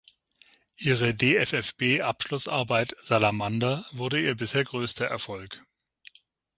Ihre dffb-Abschlussarbeit "Salamander" wurde ihr bisher größter Erfolg.